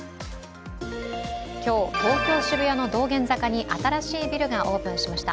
今日、東京・渋谷の道玄坂に新しいビルがオープンしました。